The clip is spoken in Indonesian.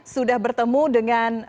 sudah bertemu dengan